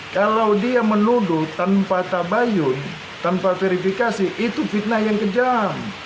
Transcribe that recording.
kalau dia menuduh tanpa tabayun tanpa verifikasi itu fitnah yang kejam